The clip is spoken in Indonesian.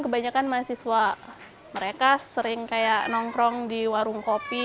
kebanyakan mahasiswa mereka sering kayak nongkrong di warung kopi